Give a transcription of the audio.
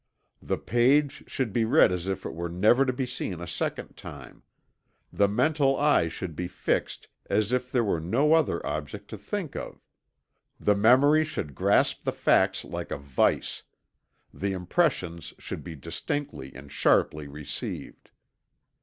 The page should be read as if it were never to be seen a second time; the mental eye should be fixed as if there were no other object to think of; the memory should grasp the facts like a vise; the impressions should be distinctly and sharply received."